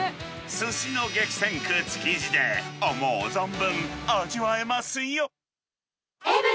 すしの激戦区、築地で、思う存分味わえますよ。